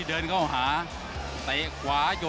เดินเข้าหาเตะขวายก